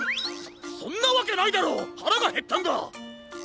そそんなわけないだろ！はらがへったんだ！